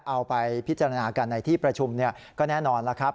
เอาไปพิจารณากันในที่ประชุมก็แน่นอนแล้วครับ